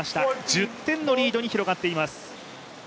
１０点のリードに広がっています。